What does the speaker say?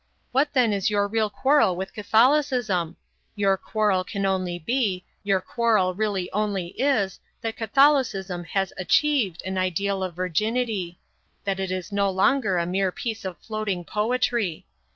What then is your real quarrel with Catholicism? Your quarrel can only be, your quarrel really only is, that Catholicism has achieved an ideal of virginity; that it is no longer a mere piece of floating poetry.